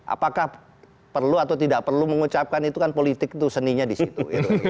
apakah perlu atau tidak perlu mengucapkan itu kan politik itu seninya di situ